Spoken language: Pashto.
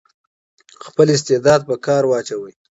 خپل استعداد په کار واچوئ.